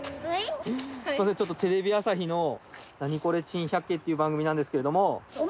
ちょっとテレビ朝日の『ナニコレ珍百景』っていう番組なんですけれども。